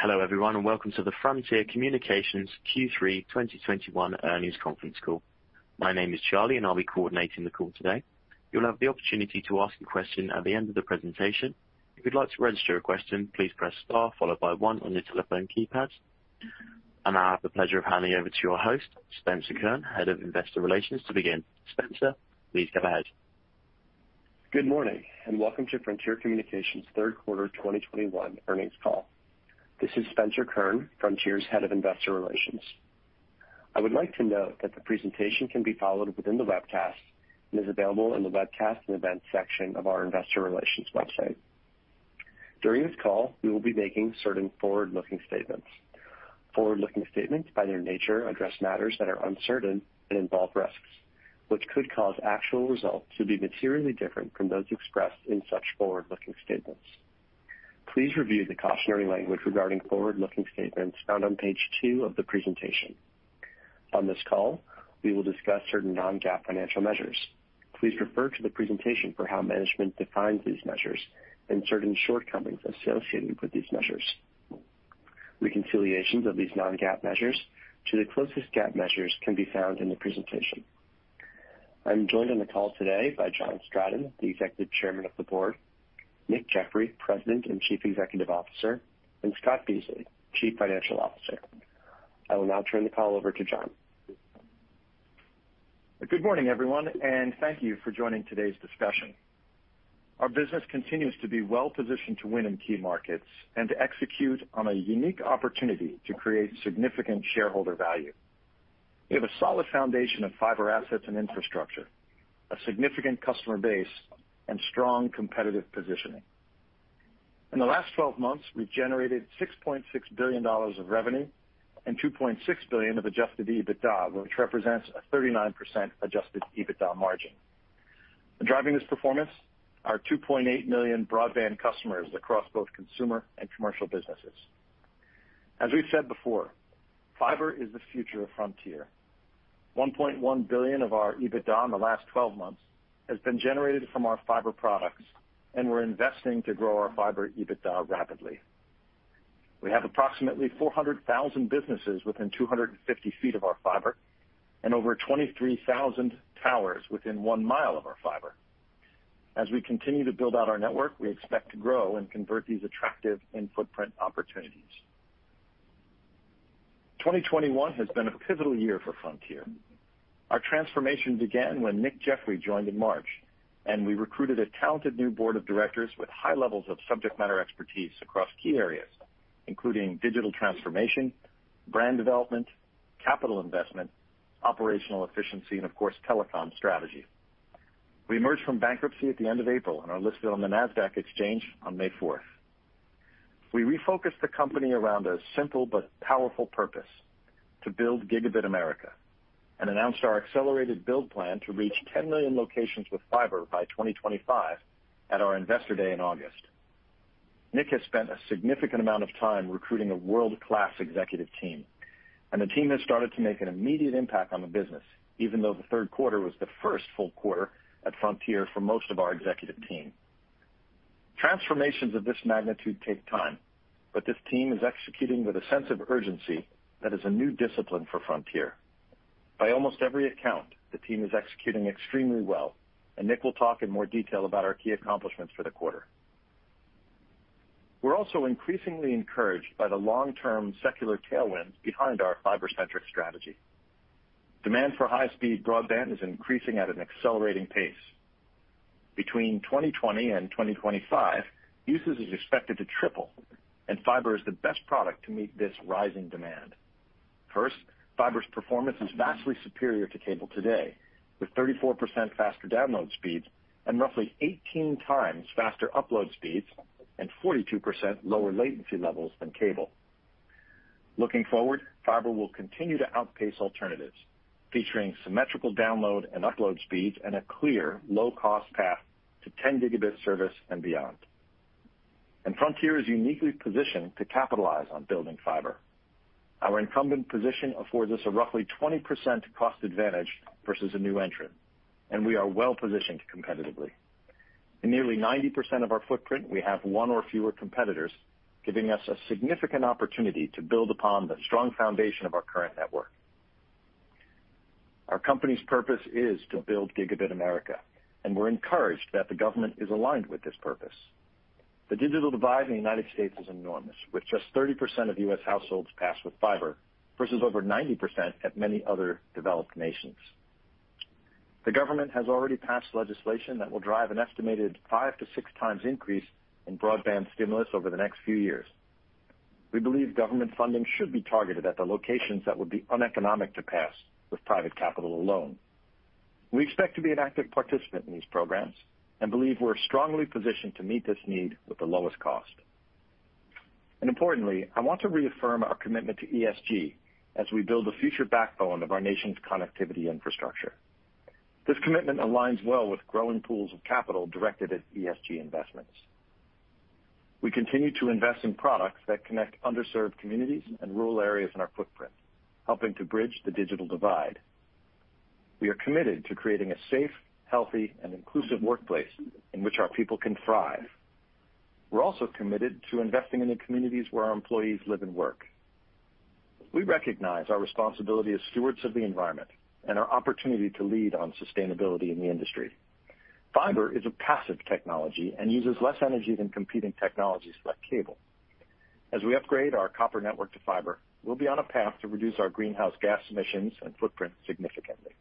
Hello, everyone, and welcome to the Frontier Communications Q3 2021 Earnings Conference Call. My name is Charlie, and I'll be coordinating the call today. You'll have the opportunity to ask a question at the end of the presentation. If you'd like to register a question, please press star followed by one on your telephone keypad. Now I have the pleasure of handing over to your host, Spencer Kurn, Head of Investor Relations, to begin. Spencer, please go ahead. Good morning, and welcome to Frontier Communications Third Quarter 2021 Earnings Call. This is Spencer Kurn, Frontier's Head of Investor Relations. I would like to note that the presentation can be followed within the webcast and is available in the Webcast and Events section of our investor relations website. During this call, we will be making certain forward-looking statements. Forward-looking statements, by their nature, address matters that are uncertain and involve risks, which could cause actual results to be materially different from those expressed in such forward-looking statements. Please review the cautionary language regarding forward-looking statements found on page two of the presentation. On this call, we will discuss certain non-GAAP financial measures. Please refer to the presentation for how management defines these measures and certain shortcomings associated with these measures. Reconciliations of these non-GAAP measures to the closest GAAP measures can be found in the presentation. I'm joined on the call today by John Stratton, the Executive Chairman of the Board, Nick Jeffery, President and Chief Executive Officer, and Scott Beasley, Chief Financial Officer. I will now turn the call over to John. Good morning, everyone, and thank you for joining today's discussion. Our business continues to be well-positioned to win in key markets and to execute on a unique opportunity to create significant shareholder value. We have a solid foundation of Fiber assets and infrastructure, a significant customer base, and strong competitive positioning. In the last 12 months, we generated $6.6 billion of revenue and $2.6 billion of adjusted EBITDA, which represents a 39% adjusted EBITDA margin. Driving this performance are 2.8 million broadband customers across both consumer and commercial businesses. As we've said before, Fiber is the future of Frontier. $1.1 billion of our EBITDA in the last 12 months has been generated from our Fiber products, and we're investing to grow our Fiber EBITDA rapidly. We have approximately 400,000 businesses within 250 feet of our Fiber and over 23,000 towers within 1 mile of our Fiber. As we continue to build out our network, we expect to grow and convert these attractive in-footprint opportunities. 2021 has been a pivotal year for Frontier. Our transformation began when Nick Jeffery joined in March, and we recruited a talented new board of directors with high levels of subject matter expertise across key areas, including digital transformation, brand development, capital investment, operational efficiency, and of course, telecom strategy. We emerged from bankruptcy at the end of April and are listed on the Nasdaq exchange on May 4. We refocused the company around a simple but powerful purpose, to build Gigabit America, and announced our accelerated build plan to reach 10 million locations with Fiber by 2025 at our Investor Day in August. Nick has spent a significant amount of time recruiting a world-class executive team, and the team has started to make an immediate impact on the business, even though the third quarter was the first full quarter at Frontier for most of our executive team. Transformations of this magnitude take time, but this team is executing with a sense of urgency that is a new discipline for Frontier. By almost every account, the team is executing extremely well, and Nick will talk in more detail about our key accomplishments for the quarter. We're also increasingly encouraged by the long-term secular tailwinds behind our Fiber-centric strategy. Demand for high-speed broadband is increasing at an accelerating pace. Between 2020 and 2025, usage is expected to triple, and Fiber is the best product to meet this rising demand. First, Fiber's performance is vastly superior to cable today, with 34% faster download speeds and roughly 18 times faster upload speeds and 42% lower latency levels than cable. Looking forward, Fiber will continue to outpace alternatives, featuring symmetrical download and upload speeds and a clear low cost path to 10 Gb service and beyond. Frontier is uniquely positioned to capitalize on building Fiber. Our incumbent position affords us a roughly 20% cost advantage versus a new entrant, and we are well positioned competitively. In nearly 90% of our footprint, we have one or fewer competitors, giving us a significant opportunity to build upon the strong foundation of our current network. Our company's purpose is to build Gigabit America, and we're encouraged that the government is aligned with this purpose. The digital divide in the United States is enormous, with just 30% of U.S. households passed with Fiber versus over 90% at many other developed nations. The government has already passed legislation that will drive an estimated five to six times increase in broadband stimulus over the next few years. We believe government funding should be targeted at the locations that would be uneconomic to pass with private capital alone. We expect to be an active participant in these programs and believe we're strongly positioned to meet this need with the lowest cost. Importantly, I want to reaffirm our commitment to ESG as we build the future backbone of our nation's connectivity infrastructure. This commitment aligns well with growing pools of capital directed at ESG investments. We continue to invest in products that connect underserved communities and rural areas in our footprint, helping to bridge the digital divide. We are committed to creating a safe, healthy, and inclusive workplace in which our people can thrive. We're also committed to investing in the communities where our employees live and work. We recognize our responsibility as stewards of the environment and our opportunity to lead on sustainability in the industry. Fiber is a passive technology and uses less energy than competing technologies like cable. As we upgrade our copper network to Fiber, we'll be on a path to reduce our greenhouse gas emissions and footprint significantly.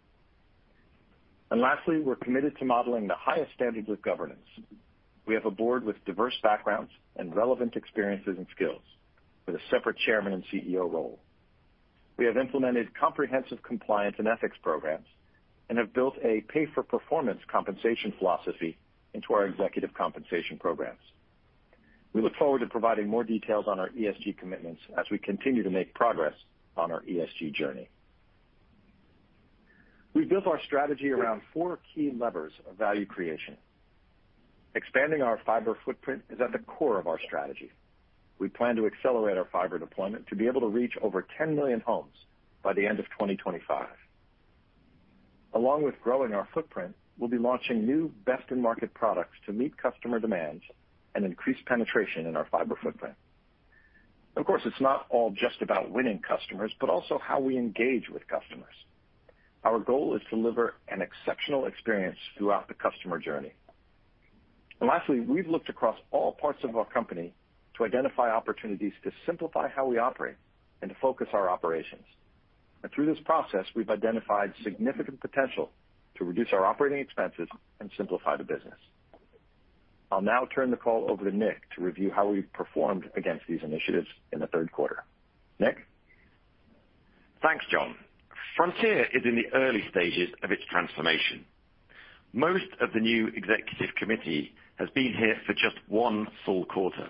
Lastly, we're committed to modeling the highest standards of governance. We have a board with diverse backgrounds and relevant experiences and skills with a separate chairman and CEO role. We have implemented comprehensive compliance and ethics programs and have built a pay-for-performance compensation philosophy into our executive compensation programs. We look forward to providing more details on our ESG commitments as we continue to make progress on our ESG journey. We've built our strategy around four key levers of value creation. Expanding our Fiber footprint is at the core of our strategy. We plan to accelerate our Fiber deployment to be able to reach over 10 million homes by the end of 2025. Along with growing our footprint, we'll be launching new best-in-market products to meet customer demands and increase penetration in our Fiber footprint. Of course, it's not all just about winning customers, but also how we engage with customers. Our goal is to deliver an exceptional experience throughout the customer journey. Lastly, we've looked across all parts of our company to identify opportunities to simplify how we operate and to focus our operations. Through this process, we've identified significant potential to reduce our operating expenses and simplify the business. I'll now turn the call over to Nick to review how we've performed against these initiatives in the third quarter. Nick? Thanks, John. Frontier is in the early stages of its transformation. Most of the new executive committee has been here for just one full quarter,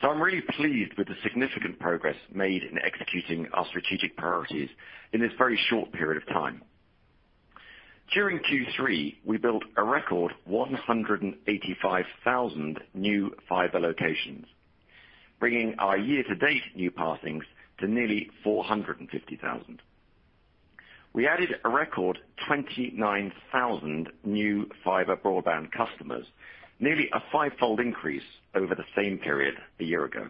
so I'm really pleased with the significant progress made in executing our strategic priorities in this very short period of time. During Q3, we built a record 185,000 new Fiber locations, bringing our year-to-date new passings to nearly 450,000. We added a record 29,000 new Fiber broadband customers, nearly a five-fold increase over the same period a year ago.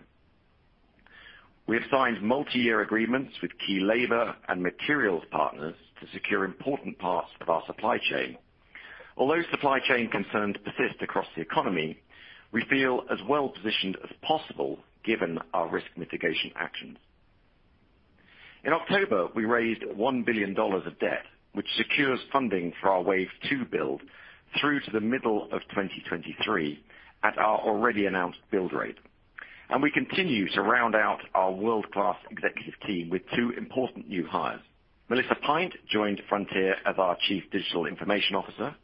We have signed multi-year agreements with key labor and materials partners to secure important parts of our supply chain. Although supply chain concerns persist across the economy, we feel as well positioned as possible given our risk mitigation actions. In October, we raised $1 billion of debt, which secures funding for our Wave 2 build through to the middle of 2023 at our already announced build rate. We continue to round out our world-class executive team with two important new hires. Melissa Pint joined Frontier as our Chief Digital Information Officer.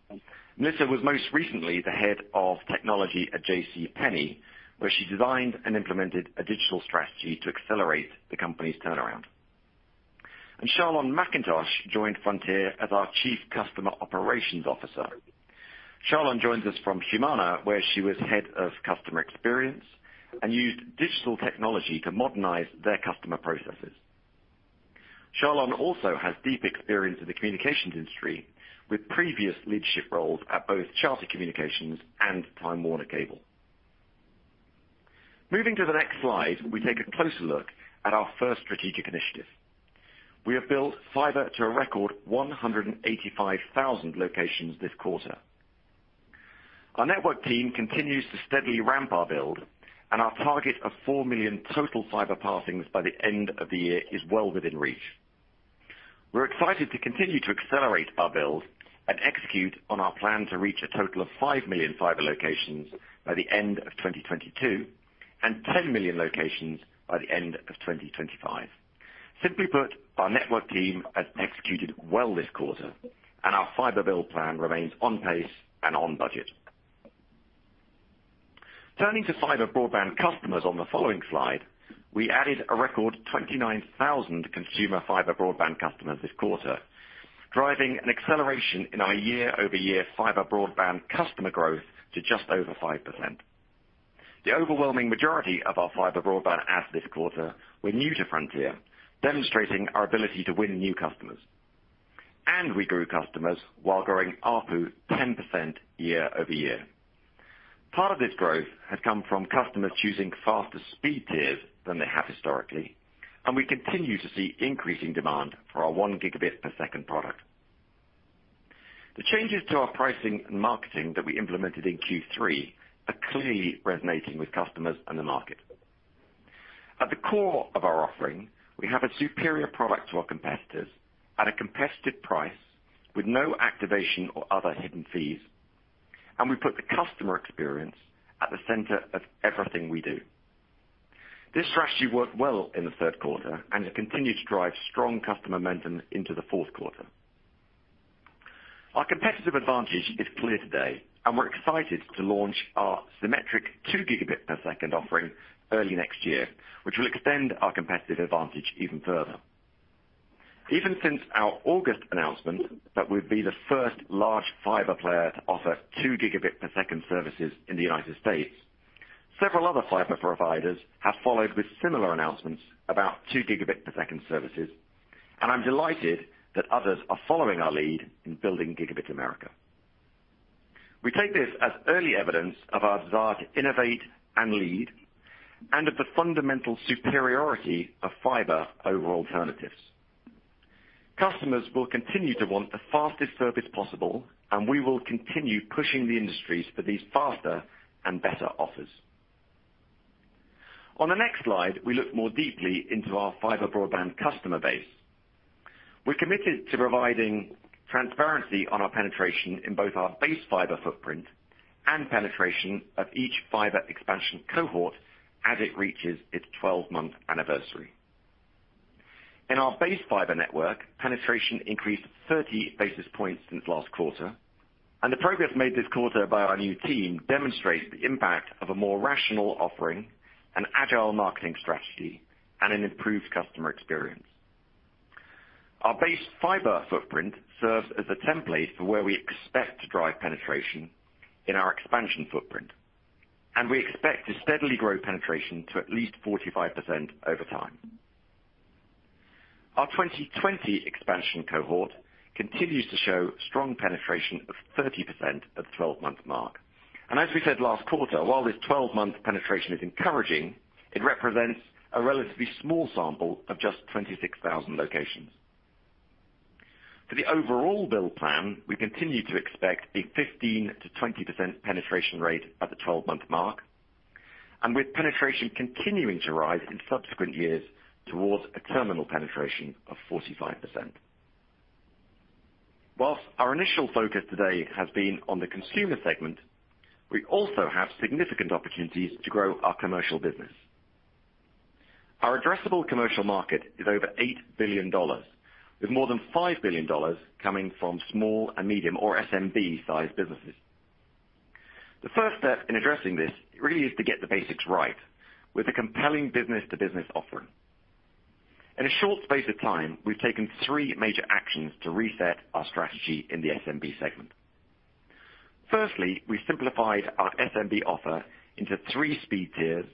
Melissa was most recently the Head of Technology at JCPenney, where she designed and implemented a digital strategy to accelerate the company's turnaround. Charlon McIntosh joined Frontier as our Chief Customer Operations Officer. Charlon joins us from Humana, where she was Head of Customer Experience and used digital technology to modernize their customer processes. Charlon also has deep experience in the communications industry with previous leadership roles at both Charter Communications and Time Warner Cable. Moving to the next slide, we take a closer look at our first strategic initiative. We have built Fiber to a record 185,000 locations this quarter. Our network team continues to steadily ramp our build, and our target of 4 million total Fiber passings by the end of the year is well within reach. We're excited to continue to accelerate our build and execute on our plan to reach a total of 5 million Fiber locations by the end of 2022, and 10 million locations by the end of 2025. Simply put, our network team has executed well this quarter, and our Fiber build plan remains on pace and on budget. Turning to Fiber broadband customers on the following slide, we added a record 29,000 consumer Fiber broadband customers this quarter, driving an acceleration in our year-over-year Fiber broadband customer growth to just over 5%. The overwhelming majority of our Fiber broadband adds this quarter were new to Frontier, demonstrating our ability to win new customers. We grew customers while growing ARPU 10% year-over-year. Part of this growth has come from customers choosing faster speed tiers than they have historically, and we continue to see increasing demand for our 1 Gb per second product. The changes to our pricing and marketing that we implemented in Q3 are clearly resonating with customers and the market. At the core of our offering, we have a superior product to our competitors at a competitive price with no activation or other hidden fees, and we put the customer experience at the center of everything we do. This strategy worked well in the third quarter and has continued to drive strong customer momentum into the fourth quarter. Our competitive advantage is clear today, and we're excited to launch our symmetric 2 Gb-per-second offering early next year, which will extend our competitive advantage even further. Ever since our August announcement that we'd be the first large Fiber player to offer 2 Gb-per-second services in the United States. Several other Fiber providers have followed with similar announcements about 2 Gb-per-second services, and I'm delighted that others are following our lead in Building Gigabit America. We take this as early evidence of our desire to innovate and lead, and of the fundamental superiority of Fiber over alternatives. Customers will continue to want the fastest service possible, and we will continue pushing the industry for these faster and better offers. On the next slide, we look more deeply into our Fiber broadband customer base. We're committed to providing transparency on our penetration in both our base Fiber footprint and penetration of each Fiber expansion cohort as it reaches its 12-month anniversary. In our base Fiber network, penetration increased 30 basis points since last quarter, and the progress made this quarter by our new team demonstrates the impact of a more rational offering, an agile marketing strategy, and an improved customer experience. Our base Fiber footprint serves as a template for where we expect to drive penetration in our expansion footprint, and we expect to steadily grow penetration to at least 45% over time. Our 2020 expansion cohort continues to show strong penetration of 30% at the 12-month mark. As we said last quarter, while this 12-month penetration is encouraging, it represents a relatively small sample of just 26,000 locations. For the overall build plan, we continue to expect a 15%-20% penetration rate at the 12-month mark, and with penetration continuing to rise in subsequent years towards a terminal penetration of 45%. While our initial focus today has been on the consumer segment, we also have significant opportunities to grow our commercial business. Our addressable commercial market is over $8 billion, with more than $5 billion coming from small and medium or SMB-sized businesses. The first step in addressing this really is to get the basics right with a compelling business-to-business offering. In a short space of time, we've taken three major actions to reset our strategy in the SMB segment. Firstly, we simplified our SMB offer into three speed tiers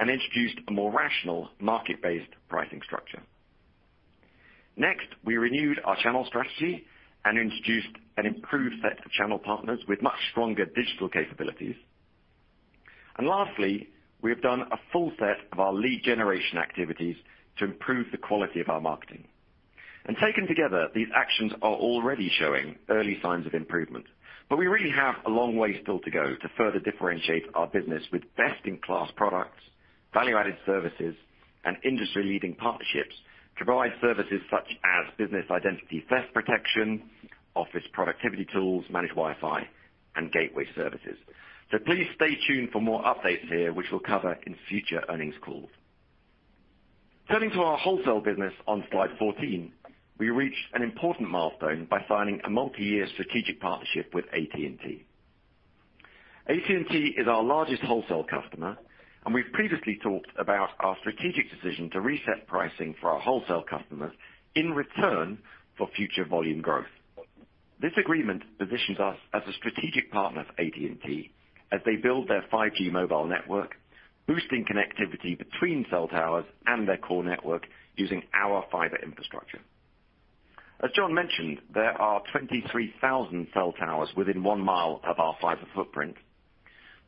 and introduced a more rational market-based pricing structure. Next, we renewed our channel strategy and introduced an improved set of channel partners with much stronger digital capabilities. Lastly, we have done a full set of our lead generation activities to improve the quality of our marketing. Taken together, these actions are already showing early signs of improvement. We really have a long way still to go to further differentiate our business with best-in-class products, value-added services, and industry-leading partnerships to provide services such as business identity theft protection, office productivity tools, managed Wi-Fi, and gateway services. Please stay tuned for more updates here, which we'll cover in future earnings calls. Turning to our wholesale business on slide 14, we reached an important milestone by signing a multi-year strategic partnership with AT&T. AT&T is our largest wholesale customer, and we've previously talked about our strategic decision to reset pricing for our wholesale customers in return for future volume growth. This agreement positions us as a strategic partner for AT&T as they build their 5G mobile network, boosting connectivity between cell towers and their core network using our Fiber infrastructure. As John mentioned, there are 23,000 cell towers within one mile of our Fiber footprint,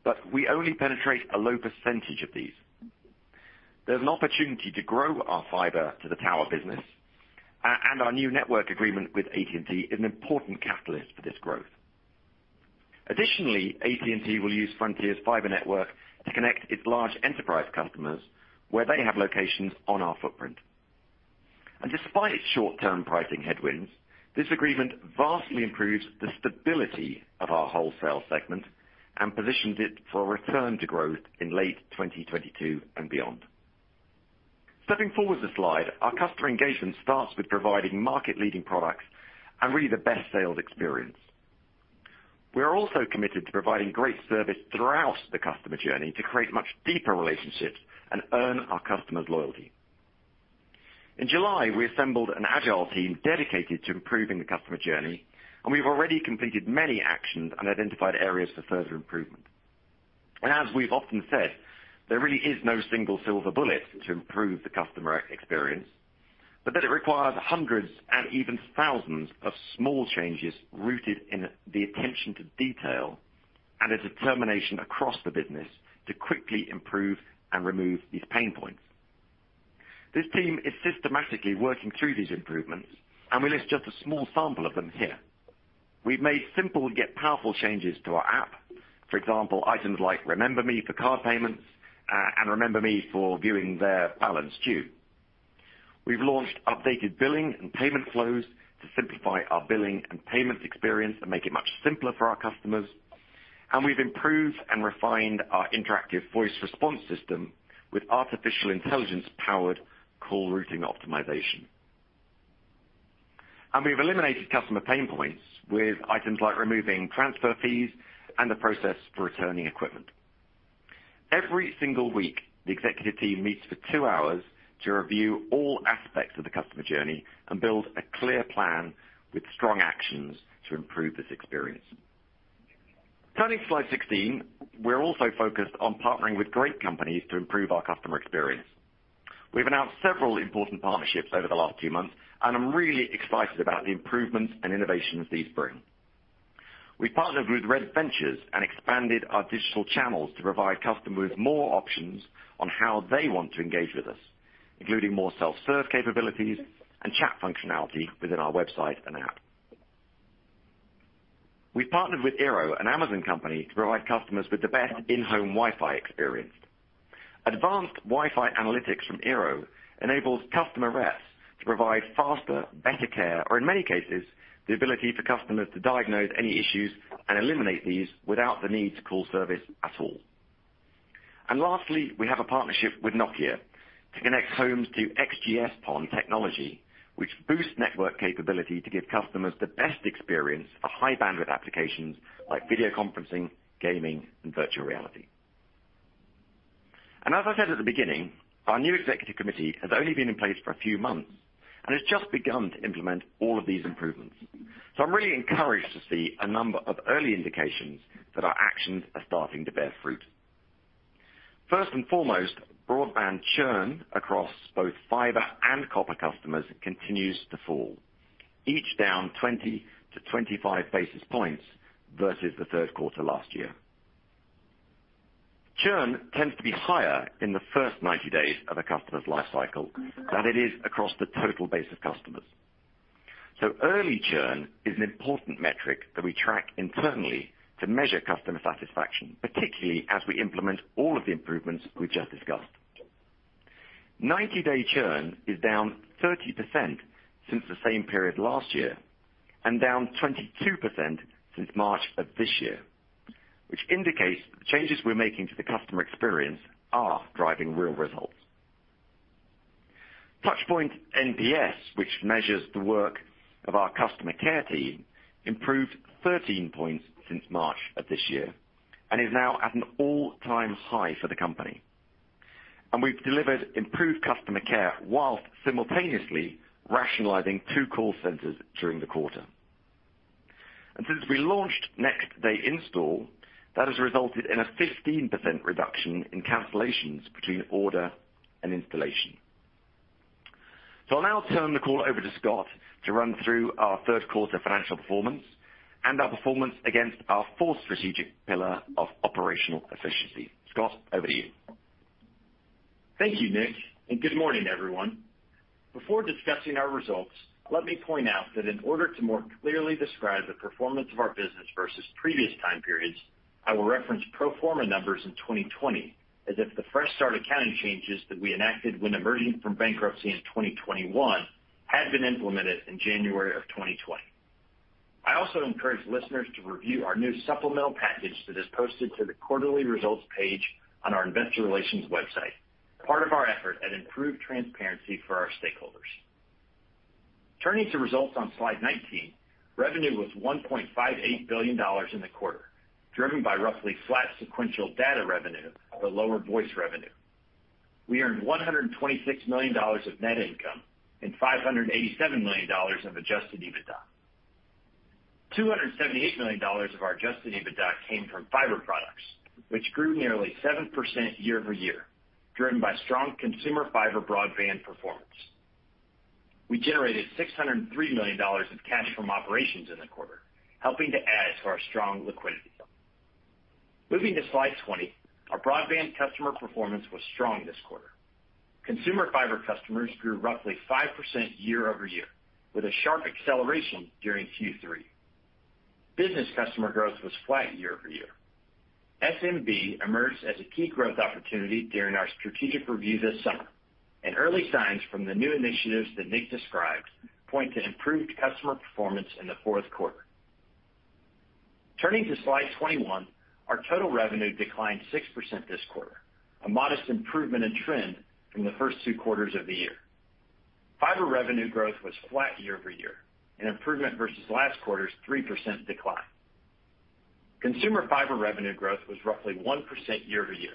but we only penetrate a low percentage of these. There's an opportunity to grow our Fiber to the tower business, and our new network agreement with AT&T is an important catalyst for this growth. Additionally, AT&T will use Frontier's Fiber network to connect its large enterprise customers where they have locations on our footprint. Despite short-term pricing headwinds, this agreement vastly improves the stability of our wholesale segment and positions it for a return to growth in late 2022 and beyond. Stepping forward a slide, our customer engagement starts with providing market-leading products and really the best sales experience. We are also committed to providing great service throughout the customer journey to create much deeper relationships and earn our customers' loyalty. In July, we assembled an agile team dedicated to improving the customer journey, and we've already completed many actions and identified areas for further improvement. As we've often said, there really is no single silver bullet to improve the customer experience, but that it requires hundreds and even thousands of small changes rooted in the attention to detail and a determination across the business to quickly improve and remove these pain points. This team is systematically working through these improvements, and we list just a small sample of them here. We've made simple yet powerful changes to our app. For example, items like Remember Me for card payments, and Remember Me for viewing their balance due. We've launched updated billing and payment flows to simplify our billing and payment experience and make it much simpler for our customers. We've improved and refined our interactive voice response system with artificial intelligence-powered call routing optimization. We've eliminated customer pain points with items like removing transfer fees and the process for returning equipment. Every single week, the executive team meets for two hours to review all aspects of the customer journey and build a clear plan with strong actions to improve this experience. Turning to slide 16, we're also focused on partnering with great companies to improve our customer experience. We've announced several important partnerships over the last two months, and I'm really excited about the improvements and innovations these bring. We partnered with Red Ventures and expanded our digital channels to provide customers with more options on how they want to engage with us, including more self-serve capabilities and chat functionality within our website and app. We've partnered with eero, an Amazon company, to provide customers with the best in-home Wi-Fi experience. Advanced Wi-Fi analytics from eero enables customer reps to provide faster, better care, or in many cases, the ability for customers to diagnose any issues and eliminate these without the need to call service at all. Lastly, we have a partnership with Nokia to connect homes to XGS-PON technology, which boosts network capability to give customers the best experience for high bandwidth applications like video conferencing, gaming, and virtual reality. As I said at the beginning, our new executive committee has only been in place for a few months and has just begun to implement all of these improvements. I'm really encouraged to see a number of early indications that our actions are starting to bear fruit. First and foremost, broadband churn across both Fiber and copper customers continues to fall, each down 20-25 basis points versus the third quarter last year. Churn tends to be higher in the first 90 days of a customer's life cycle than it is across the total base of customers. Early churn is an important metric that we track internally to measure customer satisfaction, particularly as we implement all of the improvements we just discussed. 90-day churn is down 30% since the same period last year and down 22% since March of this year, which indicates the changes we're making to the customer experience are driving real results. Touchpoint NPS, which measures the work of our customer care team, improved 13 points since March of this year and is now at an all-time high for the company. We've delivered improved customer care while simultaneously rationalizing two call centers during the quarter. Since we launched next day install, that has resulted in a 15% reduction in cancellations between order and installation. I'll now turn the call over to Scott to run through our third quarter financial performance and our performance against our fourth strategic pillar of operational efficiency. Scott, over to you. Thank you, Nick, and good morning, everyone. Before discussing our results, let me point out that in order to more clearly describe the performance of our business versus previous time periods, I will reference pro forma numbers in 2020 as if the fresh start accounting changes that we enacted when emerging from bankruptcy in 2021 had been implemented in January of 2020. I also encourage listeners to review our new supplemental package that is posted to the quarterly results page on our investor relations website, part of our effort at improved transparency for our stakeholders. Turning to results on slide 19, revenue was $1.58 billion in the quarter, driven by roughly flat sequential data revenue but lower voice revenue. We earned $126 million of net income and $587 million of adjusted EBITDA. $278 million of our adjusted EBITDA came from Fiber products, which grew nearly 7% year-over-year, driven by strong consumer Fiber broadband performance. We generated $603 million of cash from operations in the quarter, helping to add to our strong liquidity. Moving to slide 20, our broadband customer performance was strong this quarter. Consumer Fiber customers grew roughly 5% year-over-year, with a sharp acceleration during Q3. Business customer growth was flat year-over-year. SMB emerged as a key growth opportunity during our strategic review this summer, and early signs from the new initiatives that Nick described point to improved customer performance in the fourth quarter. Turning to slide 21, our total revenue declined 6% this quarter, a modest improvement in trend from the first two quarters of the year. Fiber revenue growth was flat year-over-year, an improvement versus last quarter's 3% decline. Consumer Fiber revenue growth was roughly 1% year-over-year,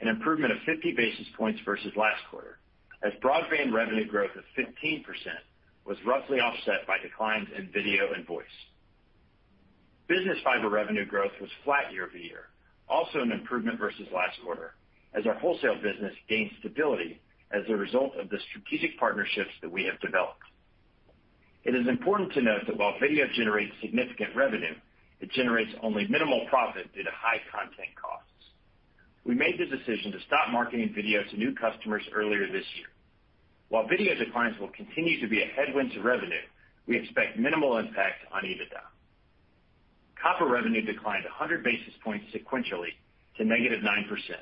an improvement of 50 basis points versus last quarter, as broadband revenue growth of 15% was roughly offset by declines in video and voice. Business Fiber revenue growth was flat year-over-year, also an improvement versus last quarter, as our wholesale business gained stability as a result of the strategic partnerships that we have developed. It is important to note that while video generates significant revenue, it generates only minimal profit due to high content costs. We made the decision to stop marketing video to new customers earlier this year. While video declines will continue to be a headwind to revenue, we expect minimal impact on EBITDA. Copper revenue declined 100 basis points sequentially to -9%,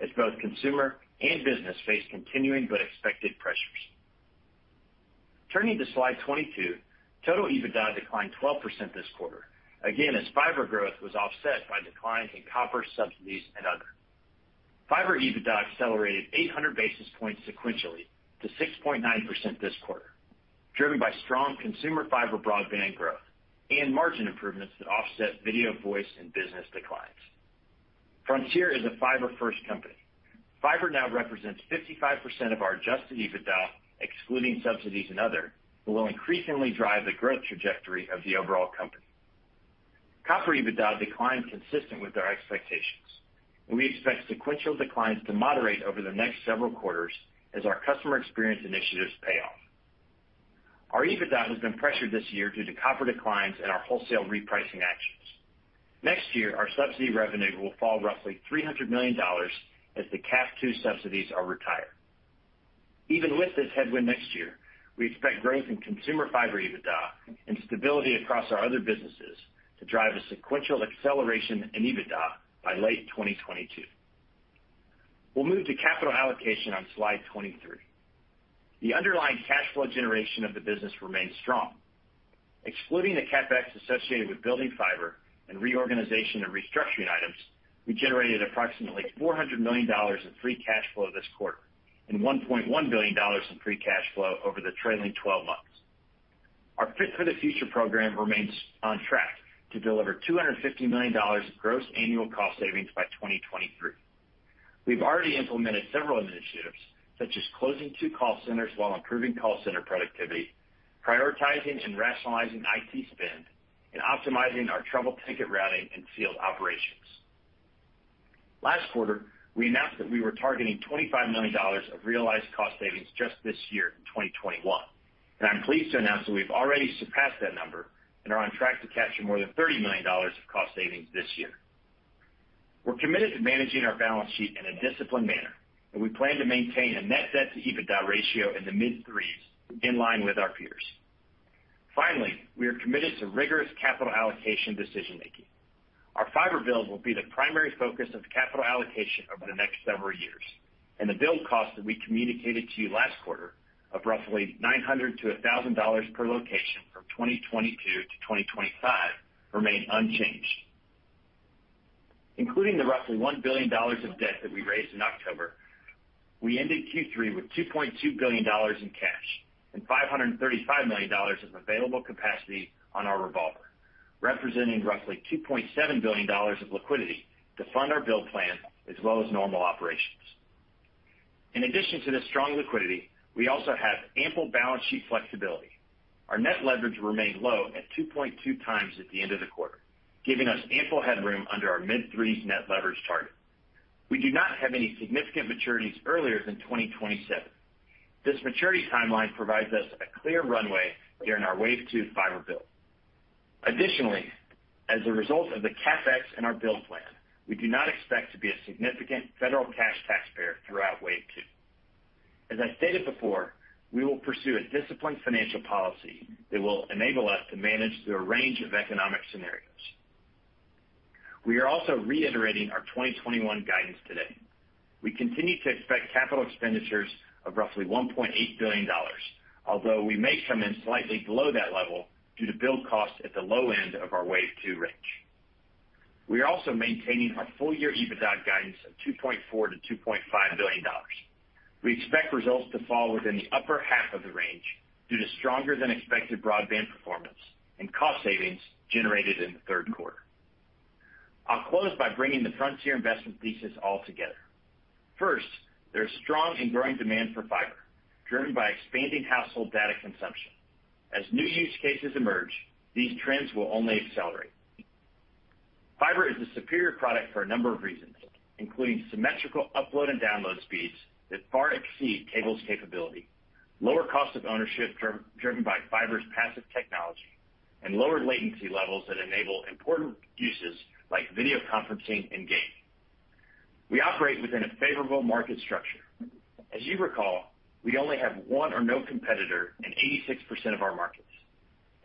as both consumer and business face continuing but expected pressures. Turning to slide 22, total EBITDA declined 12% this quarter, again, as Fiber growth was offset by declines in copper, subsidies, and other. Fiber EBITDA accelerated 800 basis points sequentially to 6.9% this quarter, driven by strong consumer Fiber broadband growth and margin improvements that offset video, voice, and business declines. Frontier is a Fiber first company. Fiber now represents 55% of our adjusted EBITDA, excluding subsidies and other, will increasingly drive the growth trajectory of the overall company. Copper EBITDA declined consistent with our expectations, and we expect sequential declines to moderate over the next several quarters as our customer experience initiatives pay off. Our EBITDA has been pressured this year due to copper declines and our wholesale repricing actions. Next year, our subsidy revenue will fall roughly $300 million as the CAF II subsidies are retired. Even with this headwind next year, we expect growth in consumer Fiber EBITDA and stability across our other businesses to drive a sequential acceleration in EBITDA by late 2022. We'll move to capital allocation on slide 23. The underlying cash flow generation of the business remains strong. Excluding the CapEx associated with building Fiber and reorganization and restructuring items, we generated approximately $400 million in free cash flow this quarter and $1.1 billion in free cash flow over the trailing twelve months. Our Fit for the Future program remains on track to deliver $250 million of gross annual cost savings by 2023. We've already implemented several initiatives, such as closing two call centers while improving call center productivity, prioritizing and rationalizing IT spend, and optimizing our trouble ticket routing and field operations. Last quarter, we announced that we were targeting $25 million of realized cost savings just this year in 2021, and I'm pleased to announce that we've already surpassed that number and are on track to capture more than $30 million of cost savings this year. We're committed to managing our balance sheet in a disciplined manner, and we plan to maintain a net debt to EBITDA ratio in the mid-threes, in line with our peers. Finally, we are committed to rigorous capital allocation decision-making. Our Fiber build will be the primary focus of capital allocation over the next several years, and the build cost that we communicated to you last quarter of roughly $900-$1,000 per location from 2022 to 2025 remain unchanged. Including the roughly $1 billion of debt that we raised in October, we ended Q3 with $2.2 billion in cash and $535 million of available capacity on our revolver, representing roughly $2.7 billion of liquidity to fund our build plan as well as normal operations. In addition to this strong liquidity, we also have ample balance sheet flexibility. Our net leverage remained low at 2.2x at the end of the quarter, giving us ample headroom under our mid-3s net leverage target. We do not have any significant maturities earlier than 2027. This maturity timeline provides us a clear runway during our Wave 2 Fiber build. Additionally, as a result of the CapEx and our build plan, we do not expect to be a significant federal cash taxpayer throughout Wave 2. As I stated before, we will pursue a disciplined financial policy that will enable us to manage the range of economic scenarios. We are also reiterating our 2021 guidance today. We continue to expect capital expenditures of roughly $1.8 billion, although we may come in slightly below that level due to build costs at the low end of our Wave 2 range. We are also maintaining our full-year EBITDA guidance of $2.4 billion-$2.5 billion. We expect results to fall within the upper half of the range due to stronger than expected broadband performance and cost savings generated in the third quarter. I'll close by bringing the Frontier investment thesis all together. First, there's strong and growing demand for Fiber, driven by expanding household data consumption. As new use cases emerge, these trends will only accelerate. Fiber is a superior product for a number of reasons, including symmetrical upload and download speeds that far exceed cable's capability, lower cost of ownership driven by Fiber's passive technology, and lower latency levels that enable important uses like video conferencing and gaming. We operate within a favorable market structure. As you recall, we only have one or no competitor in 86% of our markets.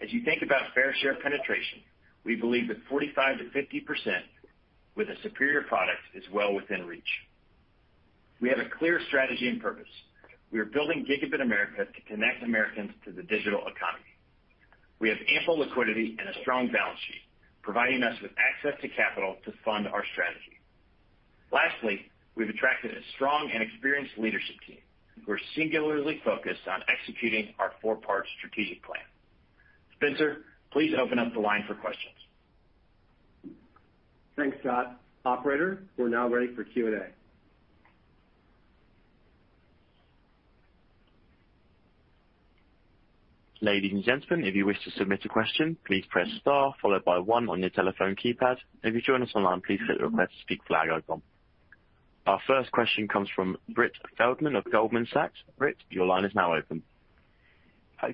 As you think about fair share penetration, we believe that 45%-50% with a superior product is well within reach. We have a clear strategy and purpose. We are Building Gigabit America to connect Americans to the digital economy. We have ample liquidity and a strong balance sheet, providing us with access to capital to fund our strategy. Lastly, we've attracted a strong and experienced leadership team who are singularly focused on executing our four-part strategic plan. Spencer, please open up the line for questions. Thanks, Scott. Operator, we're now ready for Q&A. Our first question comes from Brett Feldman of Goldman Sachs. Brit, your line is now open.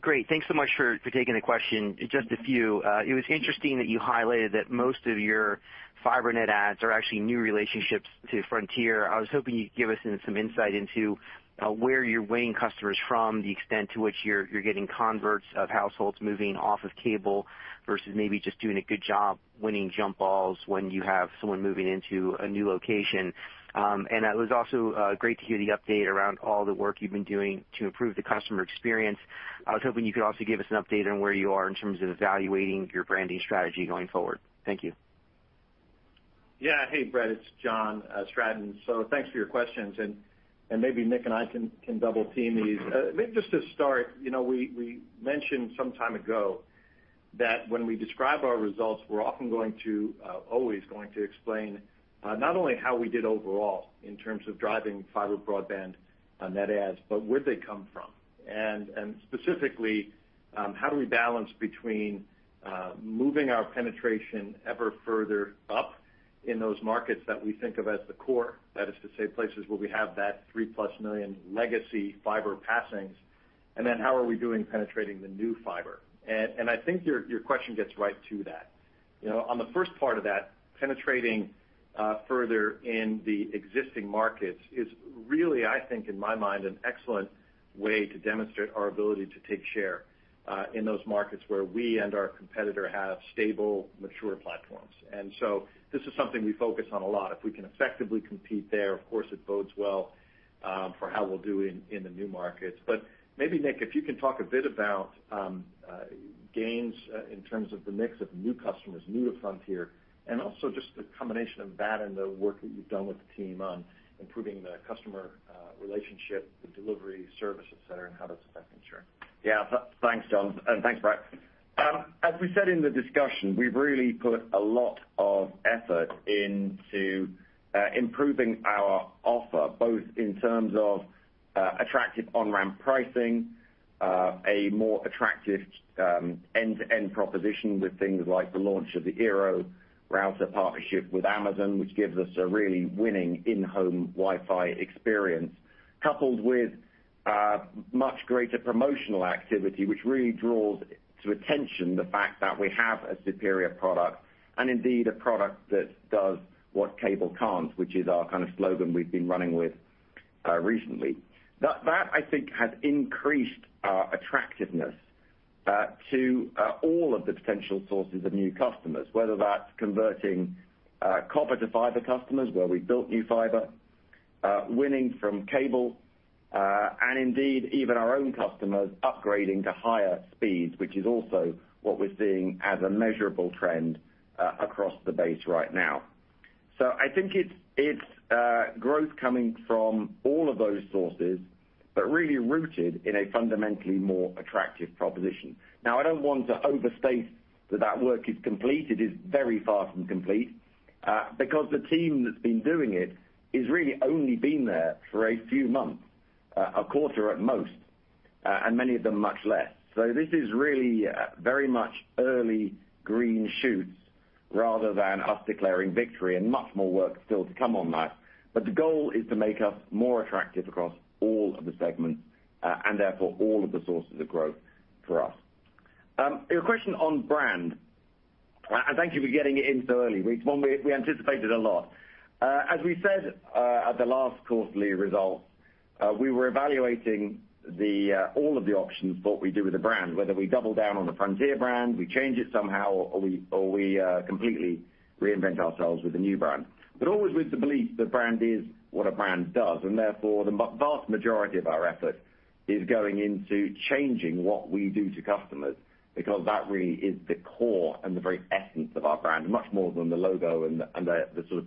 Great. Thanks so much for taking the question. Just a few. It was interesting that you highlighted that most of your Fiber net adds are actually new relationships to Frontier. I was hoping you could give us some insight into where you're winning customers from, the extent to which you're getting converts of households moving off of cable versus maybe just doing a good job winning jump balls when you have someone moving into a new location. It was also great to hear the update around all the work you've been doing to improve the customer experience. I was hoping you could also give us an update on where you are in terms of evaluating your branding strategy going forward. Thank you. Yeah. Hey, Brett, it's John Stratton. Thanks for your questions, and maybe Nick and I can double team these. Just to start, you know, we mentioned some time ago that when we describe our results, we're often going to always going to explain not only how we did overall in terms of driving Fiber broadband net adds, but where they come from. Specifically, how do we balance between moving our penetration ever further up in those markets that we think of as the core. That is to say places where we have that 3+ million legacy Fiber passings, and then how are we doing penetrating the new Fiber. I think your question gets right to that. You know, on the first part of that, penetrating further in the existing markets is really, I think, in my mind, an excellent way to demonstrate our ability to take share in those markets where we and our competitor have stable, mature platforms. This is something we focus on a lot. If we can effectively compete there, of course, it bodes well for how we'll do in the new markets. Maybe, Nick, if you can talk a bit about gains in terms of the mix of new customers, new to Frontier, and also just the combination of that and the work that you've done with the team on improving the customer relationship, the delivery service, et cetera, and how that's affecting share. Yeah. Thanks, John. Thanks, Brett. As we said in the discussion, we've really put a lot of effort into improving our offer, both in terms of attractive on-ramp pricing, a more attractive end-to-end proposition with things like the launch of the eero router partnership with Amazon, which gives us a really winning in-home Wi-Fi experience, coupled with much greater promotional activity, which really draws to attention the fact that we have a superior product and indeed a product that does what cable can't, which is our kind of slogan we've been running with recently. That I think has increased our attractiveness to all of the potential sources of new customers, whether that's converting copper to Fiber customers where we built new Fiber, winning from cable, and indeed even our own customers upgrading to higher speeds, which is also what we're seeing as a measurable trend across the base right now. I think it's growth coming from all of those sources, but really rooted in a fundamentally more attractive proposition. Now, I don't want to overstate that that work is complete. It is very far from complete, because the team that's been doing it has really only been there for a few months, a quarter at most, and many of them, much less. This is really very much early green shoots rather than us declaring victory and much more work still to come on that. The goal is to make us more attractive across all of the segments, and therefore all of the sources of growth for us. Your question on brand. Thank you for getting it in so early. We anticipated a lot. As we said, at the last quarterly results, we were evaluating all of the options for what we do with the brand, whether we double down on the Frontier brand, we change it somehow, or we completely reinvent ourselves with a new brand. Always with the belief that brand is what a brand does, and therefore the vast majority of our effort is going into changing what we do to customers because that really is the core and the very essence of our brand, much more than the logo and the sort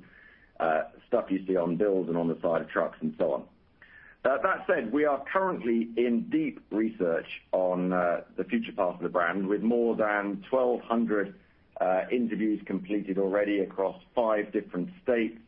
of stuff you see on bills and on the side of trucks and so on. That said, we are currently in deep research on the future path of the brand, with more than 1,200 interviews completed already across five different states.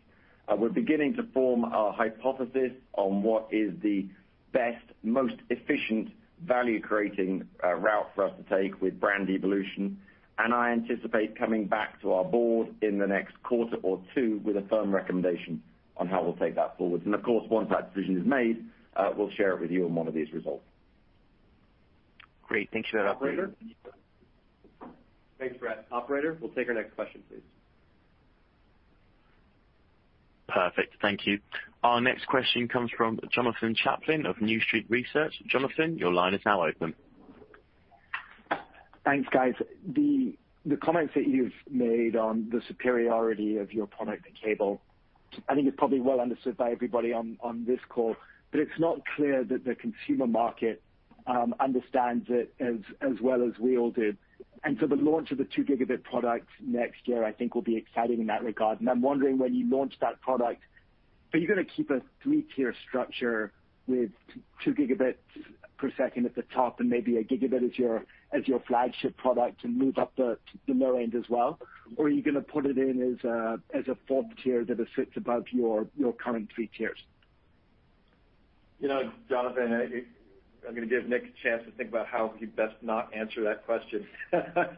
We're beginning to form a hypothesis on what is the best, most efficient value-creating route for us to take with brand evolution, and I anticipate coming back to our board in the next quarter or two with a firm recommendation on how we'll take that forward. Of course, once that decision is made, we'll share it with you on one of these results. Great. Thanks for that upgrade. Operator? Thanks, Brett. Operator, we'll take our next question, please. Perfect. Thank you. Our next question comes from Jonathan Chaplin of New Street Research. Jonathan, your line is now open. Thanks, guys. The comments that you've made on the superiority of your product to cable, I think it's probably well understood by everybody on this call, but it's not clear that the consumer market understands it as well as we all do. I'm wondering when you launch that product, are you gonna keep a 3-tier structure with 2 Gb per second at the top and maybe a gigabit as your flagship product and move up the low end as well? Or are you gonna put it in as a fourth tier that it sits above your current three tiers? You know, Jonathan, I'm gonna give Nick a chance to think about how he'd best not answer that question,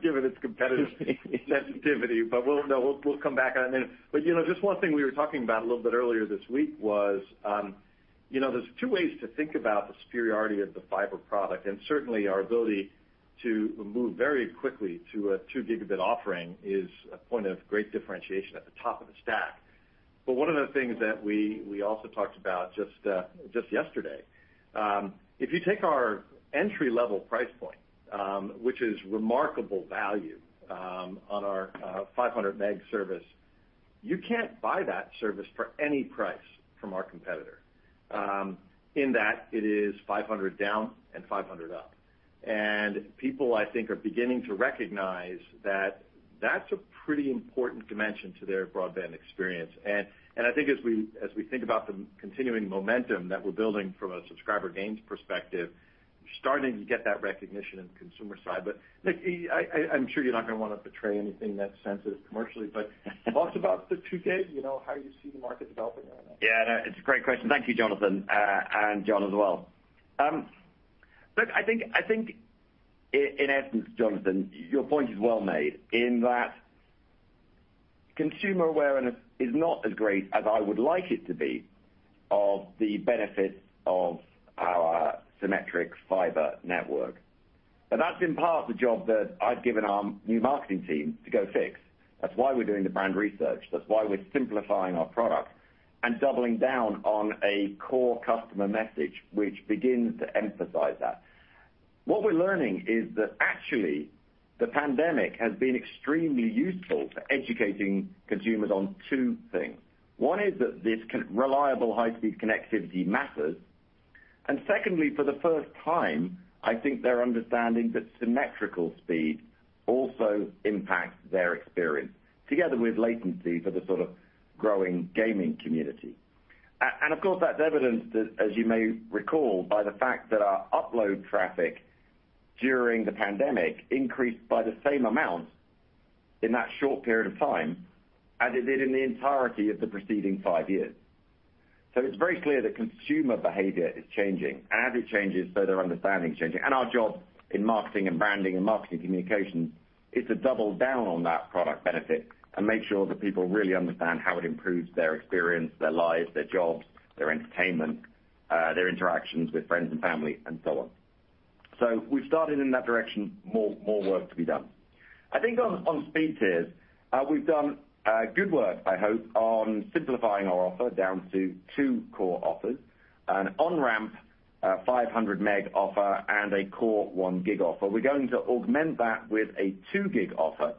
given its competitive sensitivity. We'll come back on it in a minute. You know, just one thing we were talking about a little bit earlier this week was, you know, there's two ways to think about the superiority of the Fiber product, and certainly, our ability to move very quickly to a 2 Gb offering is a point of great differentiation at the top of the stack. One of the things that we also talked about just yesterday, if you take our entry-level price point, which is remarkable value, on our 500 Meg service, you can't buy that service for any price from our competitor. In that it is 500 down and 500 up. People, I think, are beginning to recognize that. That's a pretty important dimension to their broadband experience. I think as we think about the continuing momentum that we're building from a subscriber gains perspective, we're starting to get that recognition in the consumer side. Nick, I'm sure you're not gonna wanna betray anything that's sensitive commercially. Talk about the 2K, you know, how you see the market developing right now. Yeah, no, it's a great question. Thank you, Jonathan, and John as well. Look, I think in essence, Jonathan, your point is well made in that consumer awareness is not as great as I would like it to be of the benefits of our symmetric Fiber network. But that's in part the job that I've given our new marketing team to go fix. That's why we're doing the brand research. That's why we're simplifying our product and doubling down on a core customer message, which begins to emphasize that. What we're learning is that actually the pandemic has been extremely useful to educating consumers on two things. One is that this reliable high-speed connectivity matters. Secondly, for the first time, I think they're understanding that symmetrical speed also impacts their experience, together with latency for the sort of growing gaming community. Of course, that's evidenced as you may recall, by the fact that our upload traffic during the pandemic increased by the same amount in that short period of time as it did in the entirety of the preceding five years. It's very clear that consumer behavior is changing, and as it changes, so their understanding is changing. Our job in marketing and branding and marketing communications is to double down on that product benefit and make sure that people really understand how it improves their experience, their lives, their jobs, their entertainment, their interactions with friends and family, and so on. We've started in that direction, more work to be done. I think on speed tiers, we've done good work, I hope, on simplifying our offer down to two core offers, an on-ramp, 500 meg offer and a core 1 gig offer. We're going to augment that with a 2 gig offer.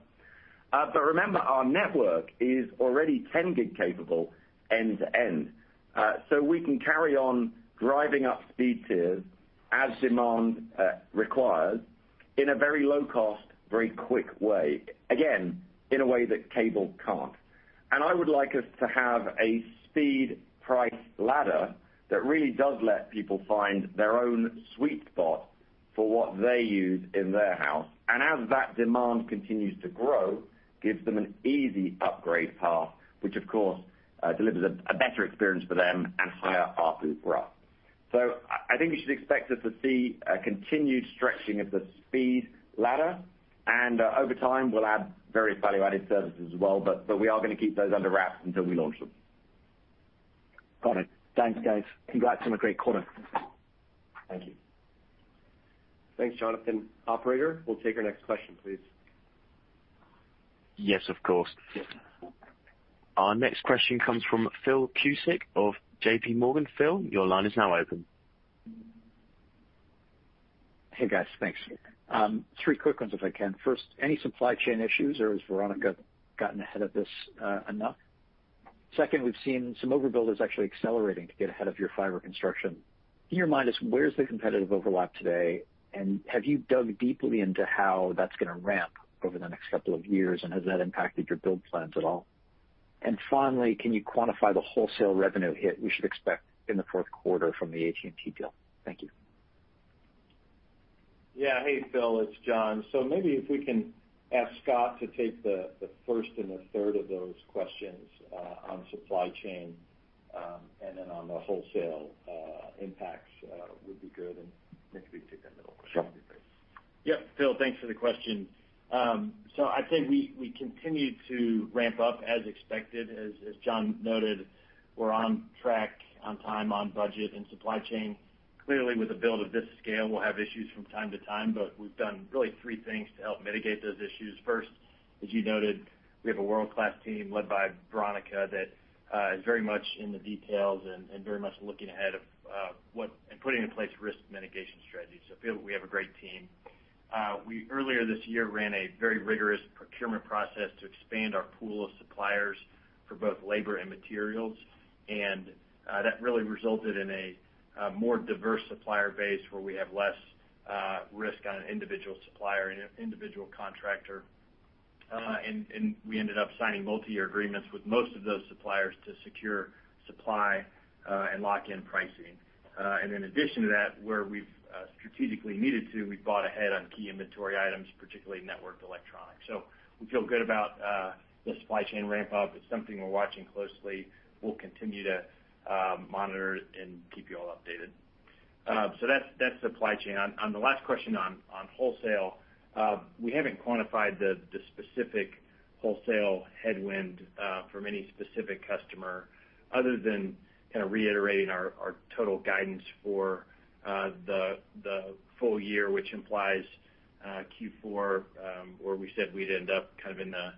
Remember, our network is already 10 gig capable end to end. We can carry on driving up speed tiers as demand requires in a very low cost, very quick way, again, in a way that cable can't. I would like us to have a speed price ladder that really does let people find their own sweet spot for what they use in their house. As that demand continues to grow, gives them an easy upgrade path, which of course delivers a better experience for them and higher ARPU for us. I think you should expect us to see a continued stretching of the speed ladder. Over time, we'll add various value-added services as well, but we are gonna keep those under wraps until we launch them. Got it. Thanks, guys. Congrats on a great quarter. Thank you. Thanks, Jonathan. Operator, we'll take our next question, please. Yes, of course. Yes. Our next question comes from Phil Cusick of J.P. Morgan. Phil, your line is now open. Hey, guys. Thanks. Three quick ones if I can. First, any supply chain issues, or has Veronica gotten ahead of this enough? Second, we've seen some overbuilders actually accelerating to get ahead of your Fiber construction. In your mind is where's the competitive overlap today, and have you dug deeply into how that's gonna ramp over the next couple of years, and has that impacted your build plans at all? Finally, can you quantify the wholesale revenue hit we should expect in the fourth quarter from the AT&T deal? Thank you. Yeah. Hey, Phil, it's John. So maybe if we can ask Scott to take the first and the third of those questions on supply chain, and then on the wholesale impacts, would be good. Nick, we take that middle question please. Sure. Yep. Phil, thanks for the question. I'd say we continue to ramp up as expected. As John noted, we're on track, on time, on budget and supply chain. Clearly, with a build of this scale, we'll have issues from time to time, but we've done really three things to help mitigate those issues. First, as you noted, we have a world-class team led by Veronica that is very much in the details and very much looking ahead and putting in place risk mitigation strategies. So Phil, we have a great team. We earlier this year ran a very rigorous procurement process to expand our pool of suppliers for both labor and materials. That really resulted in a more diverse supplier base where we have less risk on an individual supplier and individual contractor. We ended up signing multi-year agreements with most of those suppliers to secure supply and lock in pricing. In addition to that, where we've strategically needed to, we've bought ahead on key inventory items, particularly networked electronics. We feel good about the supply chain ramp up. It's something we're watching closely. We'll continue to monitor and keep you all updated. That's supply chain. On the last question on wholesale, we haven't quantified the specific wholesale headwind from any specific customer other than kind of reiterating our total guidance for the full year, which implies Q4 where we said we'd end up kind of in the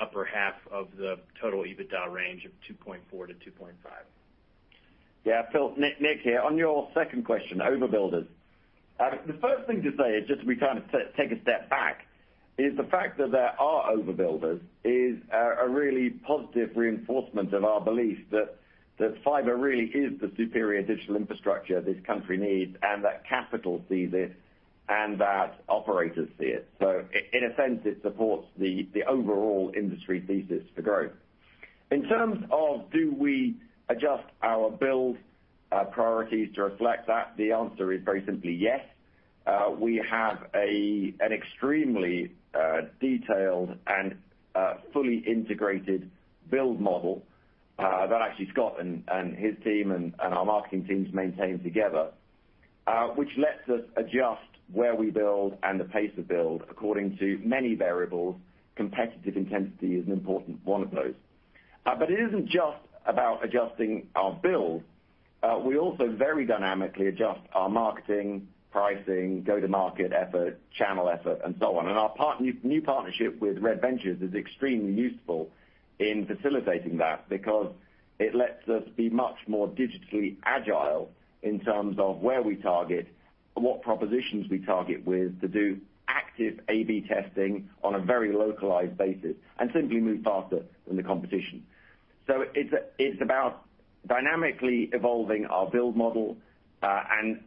upper half of the total EBITDA range of $2.4-$2.5. Yeah. Phil, Nick here. On your second question, overbuilders. The first thing to say is just we kind of take a step back, is the fact that there are overbuilders is a really positive reinforcement of our belief that Fiber really is the superior digital infrastructure this country needs, and that capital sees it. That operators see it. In a sense, it supports the overall industry thesis for growth. In terms of do we adjust our build priorities to reflect that, the answer is very simply yes. We have an extremely detailed and fully integrated build model that actually Scott and his team and our marketing teams maintain together, which lets us adjust where we build and the pace of build according to many variables. Competitive intensity is an important one of those. It isn't just about adjusting our build. We also very dynamically adjust our marketing, pricing, go-to-market effort, channel effort, and so on. Our new partnership with Red Ventures is extremely useful in facilitating that because it lets us be much more digitally agile in terms of where we target, what propositions we target with to do active A/B testing on a very localized basis, and simply move faster than the competition. It's about dynamically evolving our build model, and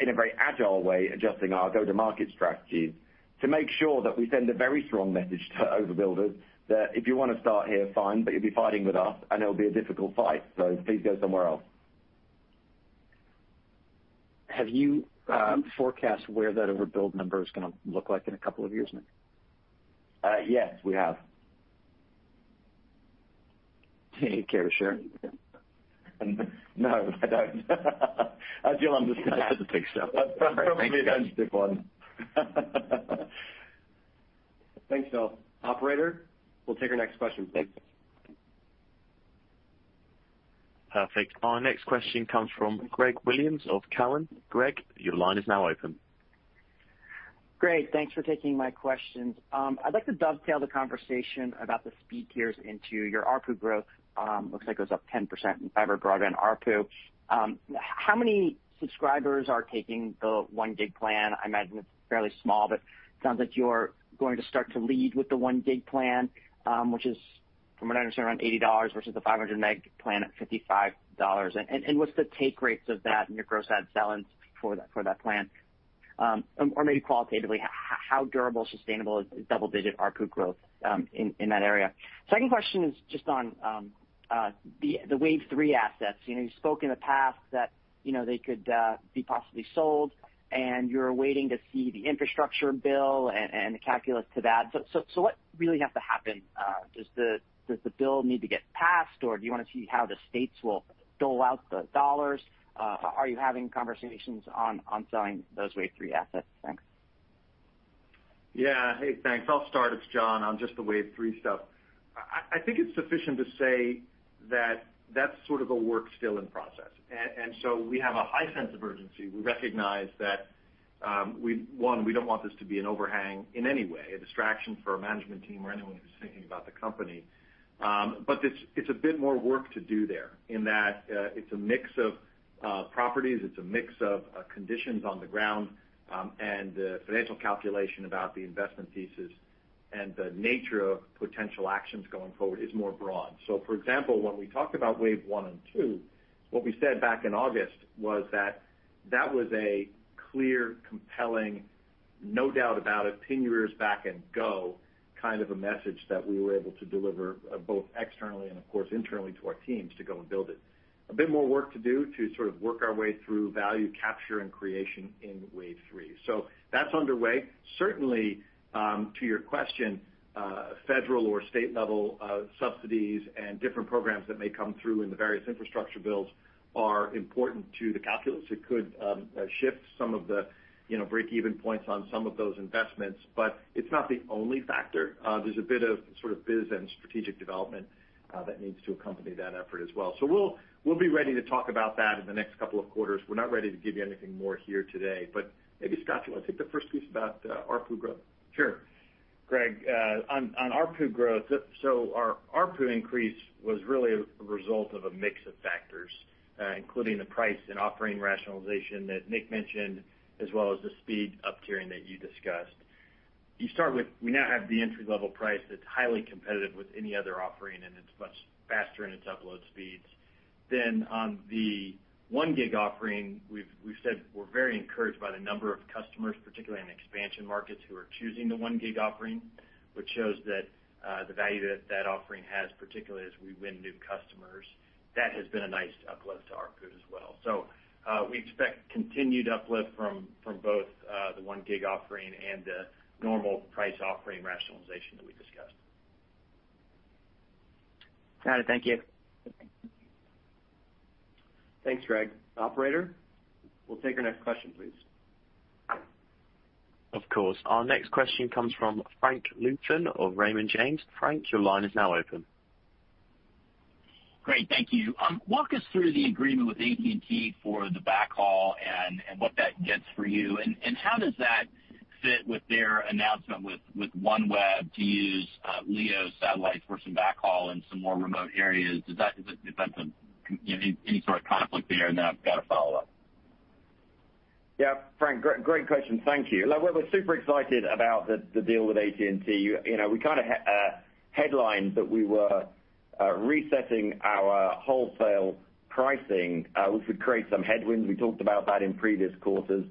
in a very agile way, adjusting our go-to-market strategies to make sure that we send a very strong message to overbuilders that if you wanna start here, fine, but you'll be fighting with us, and it'll be a difficult fight, so please go somewhere else. Have you forecast where that overbuild number is gonna look like in a couple of years, Nick? Yes, we have. Care to share? No, I don't. I'll deal on this side. I didn't think so. Probably a -1. Thanks, Phil. Operator, we'll take our next question please. Perfect. Our next question comes from Greg Williams of Cowen. Greg, your line is now open. Great. Thanks for taking my questions. I'd like to dovetail the conversation about the speed tiers into your ARPU growth. Looks like it was up 10% in Fiber broadband ARPU. How many subscribers are taking the 1 Gig plan? I imagine it's fairly small, but it sounds like you're going to start to lead with the 1 Gig plan, which is, from what I understand, around $80 versus the 500 Meg plan at $55. What's the take rates of that in your gross add sell-ins for that plan? Or maybe qualitatively, how durable, sustainable is double-digit ARPU growth in that area? Second question is just on the Wave 3 assets. You know, you spoke in the past that, you know, they could be possibly sold, and you're waiting to see the infrastructure bill and the calculus to that. What really has to happen? Does the bill need to get passed, or do you wanna see how the states will dole out the dollars? Are you having conversations on selling those Wave 3 assets? Thanks. Yeah. Hey, thanks. I'll start. It's John, on just the Wave 3 stuff. I think it's sufficient to say that that's sort of a work still in process. We have a high sense of urgency. We recognize that, one, we don't want this to be an overhang in any way, a distraction for our management team or anyone who's thinking about the company. It's a bit more work to do there in that, it's a mix of properties, conditions on the ground, and financial calculation about the investment thesis, and the nature of potential actions going forward is more broad. For example, when we talked about Wave 1 and 2, what we said back in August was that that was a clear, compelling, no doubt about it, pin your ears back and go, kind of a message that we were able to deliver, both externally and of course internally to our teams to go and build it. A bit more work to do to sort of work our way through value capture and creation in Wave 3. That's underway. Certainly, to your question, federal or state level, subsidies and different programs that may come through in the various infrastructure bills are important to the calculus. It could shift some of the, you know, break-even points on some of those investments, but it's not the only factor. There's a bit of sort of biz and strategic development that needs to accompany that effort as well. We'll be ready to talk about that in the next couple of quarters. We're not ready to give you anything more here today. Maybe, Scott, do you wanna take the first piece about ARPU growth? Sure. Greg, on ARPU growth, our ARPU increase was really a result of a mix of factors, including the price and offering rationalization that Nick mentioned, as well as the speed uptiering that you discussed. You start with we now have the entry-level price that's highly competitive with any other offering, and it's much faster in its upload speeds. Then on the 1 Gig offering, we've said we're very encouraged by the number of customers, particularly in expansion markets, who are choosing the 1 Gig offering, which shows that the value that that offering has, particularly as we win new customers. That has been a nice uplift to ARPU as well. We expect continued uplift from both the 1 Gig offering and the normal price offering rationalization that we discussed. Got it. Thank you. Thanks, Greg. Operator, we'll take our next question, please. Of course. Our next question comes from Frank Louthan of Raymond James. Frank, your line is now open. Great. Thank you. Walk us through the agreement with AT&T for the backhaul and what that gets for you. How does that fit with their announcement with OneWeb to use LEO satellites for some backhaul in some more remote areas? Is that any sort of conflict there? Then I've got a follow-up. Yeah. Frank, great question. Thank you. Look, we're super excited about the deal with AT&T. You know, we kinda headlined that we were resetting our wholesale pricing, which would create some headwinds. We talked about that in previous quarters.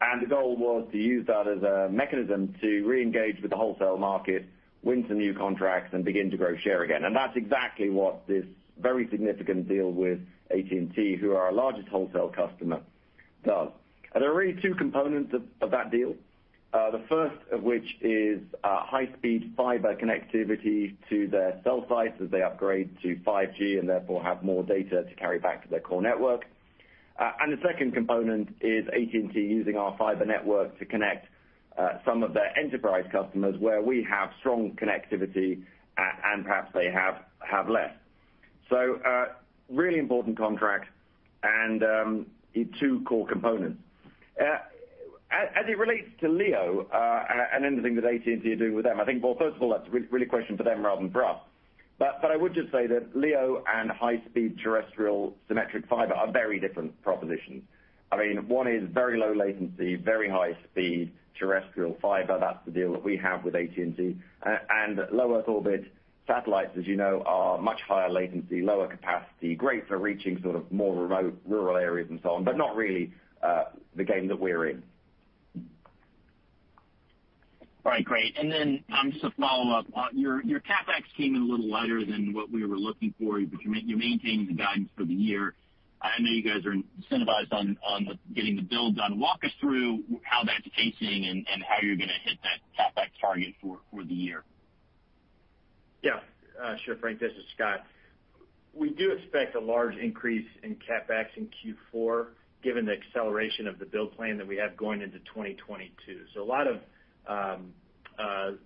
The goal was to use that as a mechanism to reengage with the wholesale market, win some new contracts, and begin to grow share again. That's exactly what this very significant deal with AT&T, who are our largest wholesale customer, does. There are really two components of that deal, the first of which is high-speed Fiber connectivity to their cell sites as they upgrade to 5G, and therefore have more data to carry back to their core network. The second component is AT&T using our Fiber network to connect some of their enterprise customers where we have strong connectivity and perhaps they have less. Really important contract and two core components. As it relates to LEO and anything that AT&T does with them, I think, well, first of all, that's really a question for them rather than for us. I would just say that LEO and high-speed terrestrial symmetric Fiber are very different propositions. I mean, one is very low latency, very high speed terrestrial Fiber. That's the deal that we have with AT&T. Low Earth orbit satellites, as you know, are much higher latency, lower capacity, great for reaching sort of more remote rural areas and so on, but not really the game that we're in. All right, great. Just a follow-up. Your CapEx came in a little lighter than what we were looking for, but you're maintaining the guidance for the year. I know you guys are incentivized on getting the build done. Walk us through how that's pacing and how you're gonna hit that CapEx target for the year. Yeah. Sure, Frank, this is Scott. We do expect a large increase in CapEx in Q4, given the acceleration of the build plan that we have going into 2022. A lot of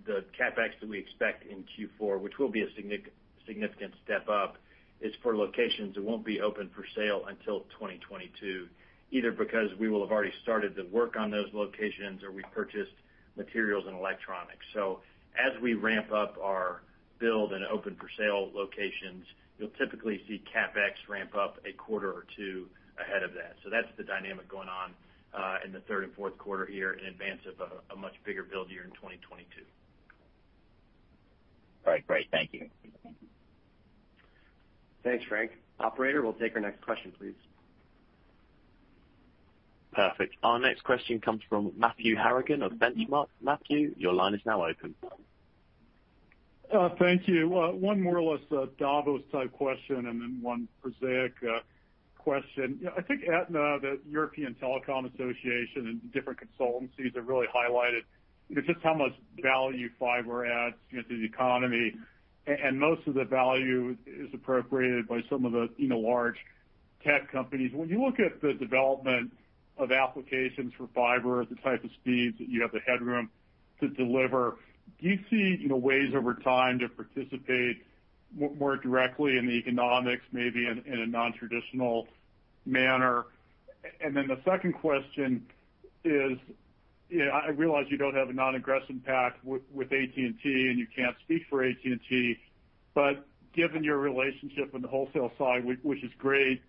the CapEx that we expect in Q4, which will be a significant step up, is for locations that won't be open for sale until 2022, either because we will have already started the work on those locations or we purchased materials and electronics. As we ramp up our build and open for sale locations, you'll typically see CapEx ramp up a quarter or two ahead of that. That's the dynamic going on in the third and fourth quarter here in advance of a much bigger build year in 2022. All right. Great. Thank you. Thanks, Frank. Operator, we'll take our next question, please. Perfect. Our next question comes from Matthew Harrigan of Benchmark. Matthew, your line is now open. Thank you. One more or less a Davos type question, and then one prosaic question. I think ETNO, the European Telecom Association, and different consultancies have really highlighted, you know, just how much value Fiber adds, you know, to the economy. Most of the value is appropriated by some of the, you know, large tech companies. When you look at the development of applications for Fiber at the type of speeds that you have the headroom to deliver, do you see, you know, ways over time to participate more directly in the economics, maybe in a nontraditional manner? The second question is, you know, I realize you don't have a non-aggression pact with AT&T, and you can't speak for AT&T, but given your relationship on the wholesale side, which is great,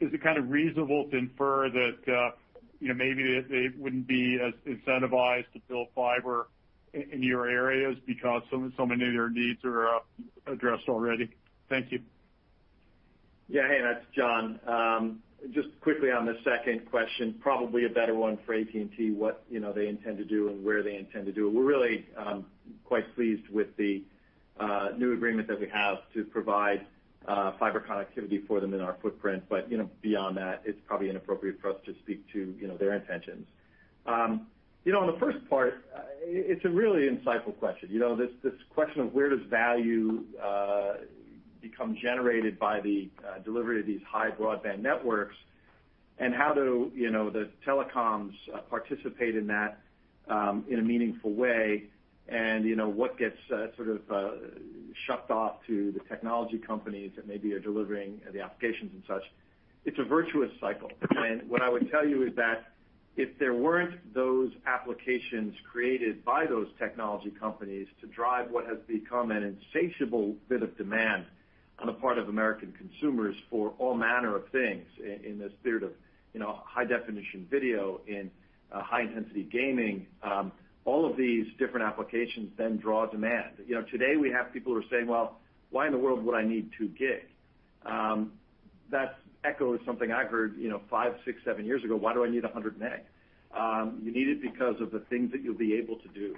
is it kind of reasonable to infer that, you know, maybe they wouldn't be as incentivized to build Fiber in your areas because so many of their needs are addressed already? Thank you. Yeah. Hey, that's John. Just quickly on the second question, probably a better one for AT&T, what, you know, they intend to do and where they intend to do it. We're really quite pleased with the new agreement that we have to provide Fiber connectivity for them in our footprint. You know, beyond that, it's probably inappropriate for us to speak to, you know, their intentions. You know, on the first part, it's a really insightful question. You know, this question of where does value become generated by the delivery of these high broadband networks, and how do, you know, the telecoms participate in that in a meaningful way and, you know, what gets sort of shucked off to the technology companies that maybe are delivering the applications and such. It's a virtuous cycle. What I would tell you is that if there weren't those applications created by those technology companies to drive what has become an insatiable bit of demand on the part of American consumers for all manner of things in the spirit of, you know, high definition video and, high intensity gaming, all of these different applications then draw demand. You know, today we have people who are saying, "Well, why in the world would I need 2 gig?" That echoes something I heard, you know, five, six, seven years ago, "Why do I need 100 meg?" You need it because of the things that you'll be able to do.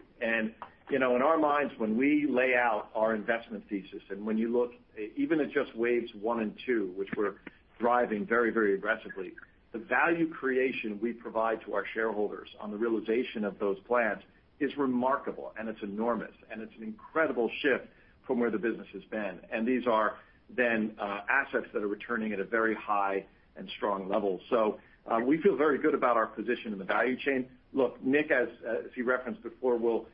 You know, in our minds, when we lay out our investment thesis, and when you look even at just Waves 1 and 2, which we're driving very, very aggressively, the value creation we provide to our shareholders on the realization of those plans is remarkable, and it's enormous. It's an incredible shift from where the business has been. These are then assets that are returning at a very high and strong level. We feel very good about our position in the value chain. Look, Nick, as he referenced before, will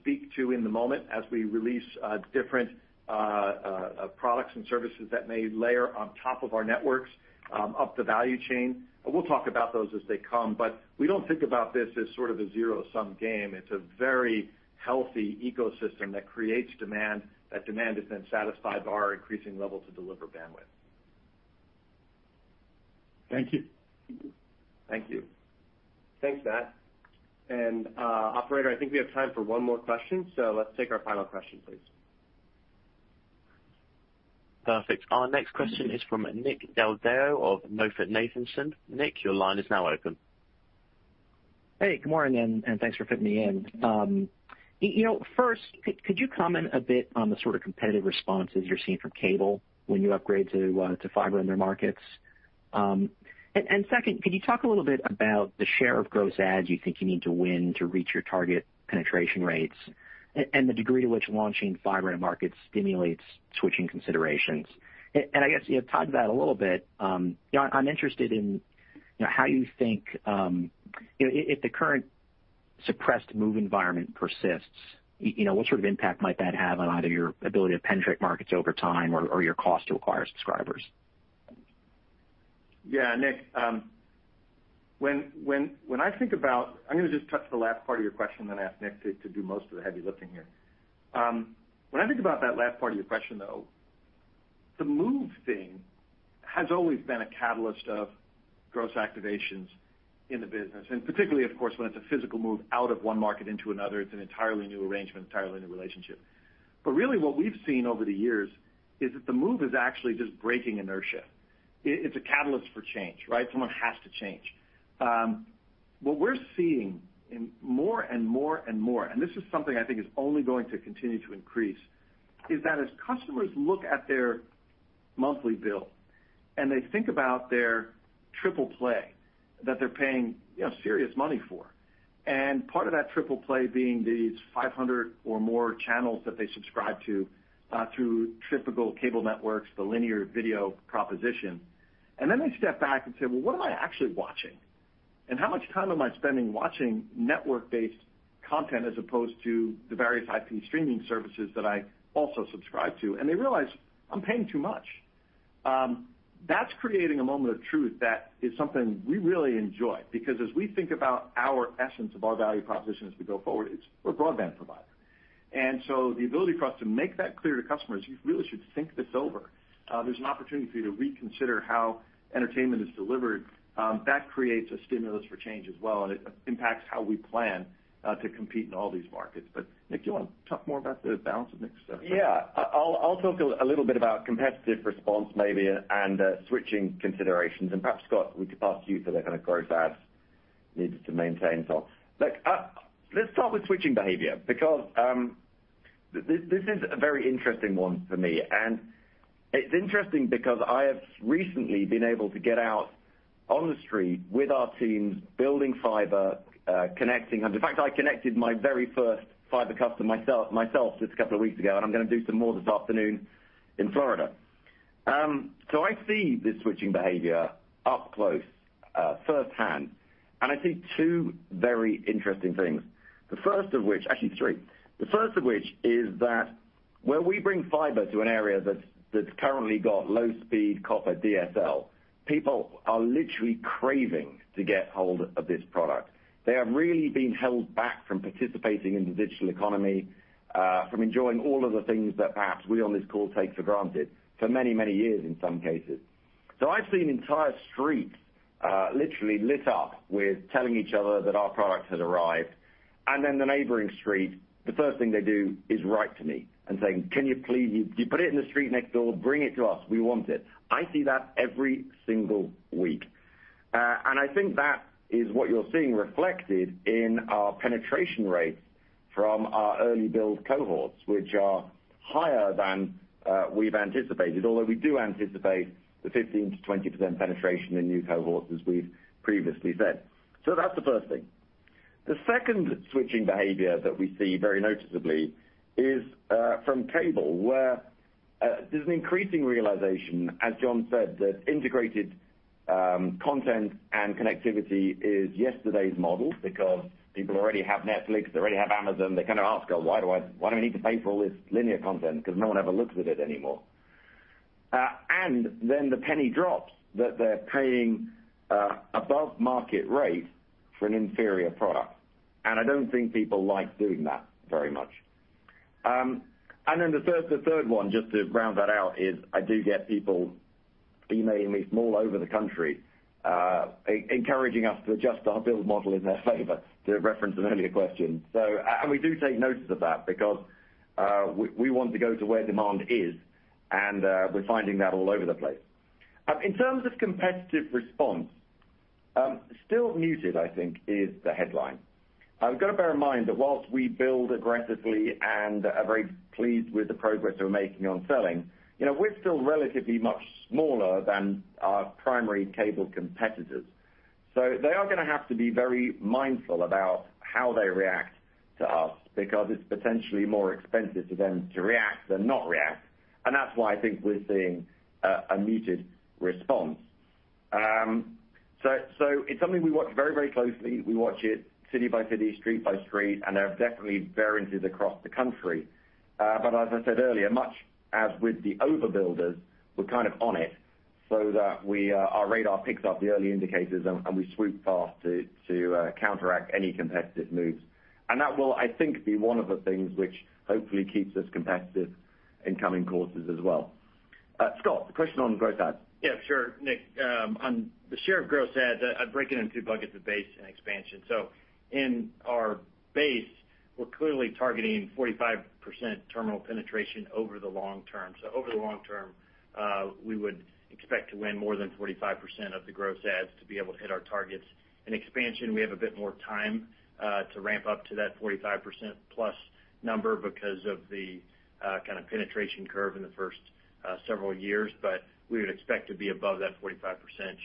speak to in the moment as we release different products and services that may layer on top of our networks up the value chain. We'll talk about those as they come, but we don't think about this as sort of a zero-sum game. It's a very healthy ecosystem that creates demand. That demand is then satisfied by our increasing level to deliver bandwidth. Thank you. Thank you. Thanks, Matt. Operator, I think we have time for one more question, so let's take our final question, please. Perfect. Our next question is from Nick Del Deo of MoffettNathanson. Nick, your line is now open. Hey, good morning, and thanks for fitting me in. You know, first, could you comment a bit on the sort of competitive responses you're seeing from cable when you upgrade to Fiber in their markets? Second, could you talk a little bit about the share of gross adds you think you need to win to reach your target penetration rates and the degree to which launching Fiber in markets stimulates switching considerations? I guess you have talked about it a little bit, you know, I'm interested in, you know, how you think, if the current suppressed move environment persists, you know, what sort of impact might that have on either your ability to penetrate markets over time or your cost to acquire subscribers? Yeah. Nick, when I think about, I'm gonna just touch the last part of your question then ask Nick to do most of the heavy lifting here. When I think about that last part of your question though, the move thing has always been a catalyst of gross activations in the business, and particularly of course, when it's a physical move out of one market into another, it's an entirely new arrangement, entirely new relationship. Really what we've seen over the years is that the move is actually just breaking inertia. It's a catalyst for change, right? Someone has to change. What we're seeing more and more, and this is something I think is only going to continue to increase, is that as customers look at their monthly bill and they think about their triple play that they're paying, you know, serious money for, and part of that triple play being these 500 or more channels that they subscribe to, through typical cable networks, the linear video proposition. Then they step back and say, "Well, what am I actually watching? And how much time am I spending watching network-based content as opposed to the various IP streaming services that I also subscribe to?" They realize, "I'm paying too much." That's creating a moment of truth that is something we really enjoy because as we think about our essence of our value proposition as we go forward, it's we're a broadband provider. The ability for us to make that clear to customers, you really should think this over. There's an opportunity for you to reconsider how entertainment is delivered, that creates a stimulus for change as well, and it impacts how we plan to compete in all these markets. Nick, do you wanna talk more about the balance of Nick's stuff? Yeah. I'll talk a little bit about competitive response maybe and switching considerations. Perhaps, Scott, we could pass to you for the kind of gross adds needed to maintain. Look, let's start with switching behavior because this is a very interesting one for me, and it's interesting because I have recently been able to get out on the street with our teams building Fiber, connecting. In fact, I connected my very first Fiber customer myself just a couple of weeks ago, and I'm gonna do some more this afternoon in Florida. I see the switching behavior up close, firsthand, and I see two very interesting things. The first of which. Actually three. The first of which is that when we bring Fiber to an area that's currently got low speed copper DSL, people are literally craving to get hold of this product. They have really been held back from participating in the digital economy, from enjoying all of the things that perhaps we on this call take for granted for many, many years in some cases. I've seen entire streets, literally lit up with telling each other that our product has arrived, and then the neighboring street, the first thing they do is write to me and saying, "Can you please, you've put it in the street next door, bring it to us. We want it." I see that every single week. I think that is what you're seeing reflected in our penetration rates from our early build cohorts, which are higher than we've anticipated. Although we do anticipate the 15%-20% penetration in new cohorts, as we've previously said. That's the first thing. The second switching behavior that we see very noticeably is from cable, where there's an increasing realization, as John said, that integrated content and connectivity is yesterday's model because people already have Netflix, they already have Amazon. They kind of ask, "Well, why do I need to pay for all this linear content because no one ever looks at it anymore?" And then the penny drops that they're paying above market rate for an inferior product, and I don't think people like doing that very much. Then the third one, just to round that out, is I do get people emailing me from all over the country, encouraging us to adjust our build model in their favor, to reference an earlier question. We do take notice of that because we want to go to where demand is, and we're finding that all over the place. In terms of competitive response, still muted, I think, is the headline. We've got to bear in mind that whilst we build aggressively and are very pleased with the progress we're making on selling, you know, we're still relatively much smaller than our primary cable competitors. They are gonna have to be very mindful about how they react to us because it's potentially more expensive to them to react than not react. That's why I think we're seeing a muted response. It's something we watch very, very closely. We watch it city by city, street by street, and there are definitely variances across the country. But as I said earlier, much as with the overbuilders, we're kind of on it so that our radar picks up the early indicators and we swoop fast to counteract any competitive moves. That will, I think, be one of the things which hopefully keeps us competitive in coming quarters as well. Scott, the question on gross adds. Yeah, sure, Nick. On the share of gross adds, I’d break it into two buckets of base and expansion. In our base, we’re clearly targeting 45% terminal penetration over the long term. Over the long term, we would expect to win more than 45% of the gross adds to be able to hit our targets. In expansion, we have a bit more time to ramp up to that 45% + number because of the kind of penetration curve in the first several years. We would expect to be above that 45%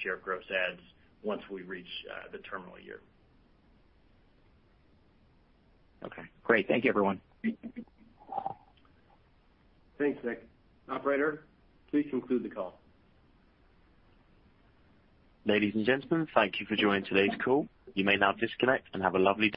share of gross adds once we reach the terminal year. Okay, great. Thank you, everyone. Thanks, Nick. Operator, please conclude the call. Ladies and gentlemen, thank you for joining today's call. You may now disconnect and have a lovely day.